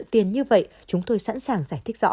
tiền như vậy chúng tôi sẵn sàng giải thích rõ